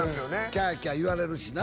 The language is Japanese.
キャーキャー言われるしな